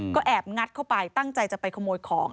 ก็แอบงัดเข้าไปตั้งใจจะไปขโมยของ